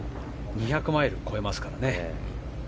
２００マイルを超えますからね。